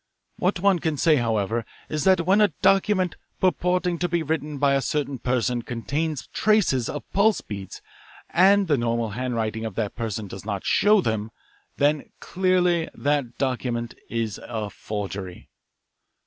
What one can say, however, is that when a document, purporting to be written by a certain person, contains traces of pulse beats and the normal handwriting of that person does not show them, then clearly that document is a forgery.